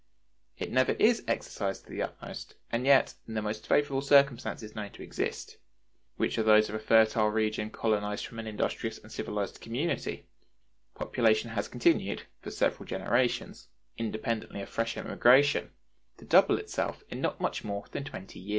It never is exercised to the utmost, and yet, in the most favorable circumstances known to exist, which are those of a fertile region colonized from an industrious and civilized community, population has continued, for several generations, independently of fresh immigration, to double itself in not much more than twenty years.